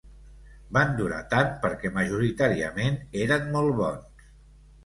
Van durar tant perquè majoritàriament eren molt bons.